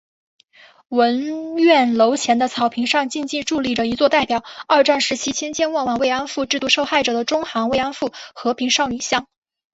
文苑楼前的草坪上静静矗立着一座代表二战时期千千万万“慰安妇”制度受害者的中韩“慰安妇”和平少女像